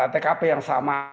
tkp yang sama